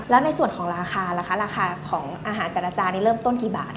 แล้วในส่วนของราคาราคาของอาหารแต่ละจานเริ่มต้นกี่บาทครับ